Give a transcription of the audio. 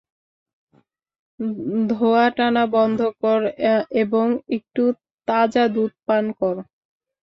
ধোয়াঁ টানা বন্ধ কর এবং একটু তাজা দুধ পান কর।